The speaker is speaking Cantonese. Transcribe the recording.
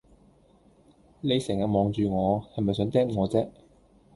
你成日望住我，係咪想嗒我姐?